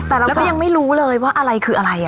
แต่เราก็ยังไม่รู้เลยว่าอะไรคืออะไร